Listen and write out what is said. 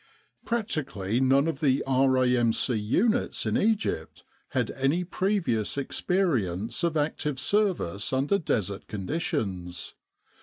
Practically none of the R.A.M.C. units in Egypt had had any previous experience of active service under Desert conditions.